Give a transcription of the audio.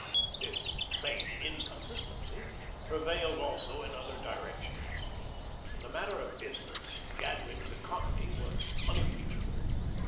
This same inconsistency prevailed also in other directions. In the matter of business Jadwin's economy was unimpeachable.